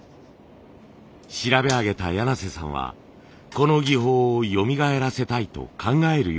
調べ上げた柳瀬さんはこの技法をよみがえらせたいと考えるように。